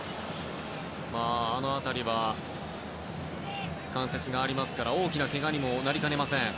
あの辺りは関節がありますから大きなけがにもなりかねません。